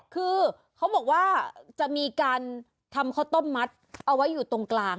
คือเขาบอกว่าจะมีการทำข้าวต้มมัดเอาไว้อยู่ตรงกลาง